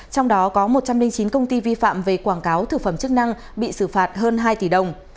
trong đó có một trăm linh chín công ty vi phạm về quảng cáo thực phẩm chức năng bị xử phạt hơn hai tỷ đồng